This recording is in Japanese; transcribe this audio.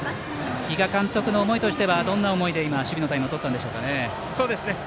比嘉監督の思いとしてはどんな思いで今、守備のタイムをとったんでしょうかね。